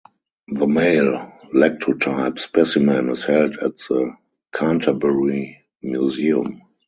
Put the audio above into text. The male lectotype specimen is held at the Canterbury Museum.